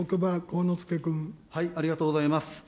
ありがとうございます。